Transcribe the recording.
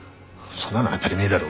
そんなの当だり前だろ。